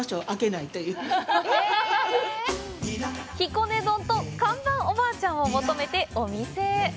ひこね丼と看板おばあちゃんを求めてお店へ。